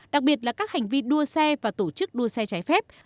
đặc biệt là các hành vi đua xe và tổ chức đua xe trái phép